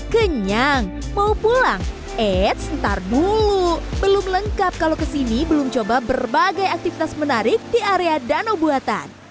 kenyang mau pulang eits ntar dulu belum lengkap kalau kesini belum coba berbagai aktivitas menarik di area danau buatan